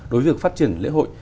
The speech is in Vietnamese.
đối với việc phát triển lễ hội